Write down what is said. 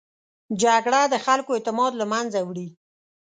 جګړه د خلکو اعتماد له منځه وړي